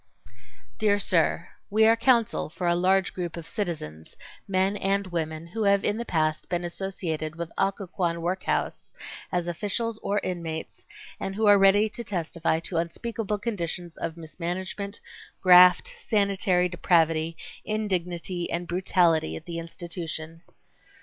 Dear Sir:—We are counsel for a large group of citizens, men and women, who have in the past been associated with Occoquan work house as officials or inmates and who are ready to testify to unspeakable conditions of mismanagement, graft, sanitary depravity, indignity and brutality at the institution.